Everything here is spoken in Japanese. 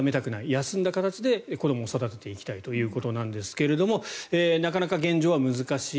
休んだ形で子どもを育てていきたいということですがなかなか現状は難しい。